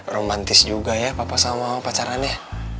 romantis juga ya papa sama pacarannya